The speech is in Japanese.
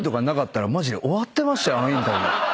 あのインタビュー。